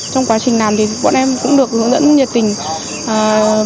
trong quá trình làm thì bọn em cũng được hướng dẫn nhiệt tình